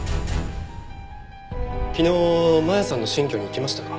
昨日真弥さんの新居に行きましたか？